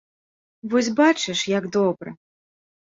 Вось бачыш, як добра.